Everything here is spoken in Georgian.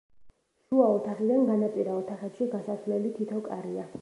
შუა ოთახიდან განაპირა ოთახებში გასასვლელი თითო კარია.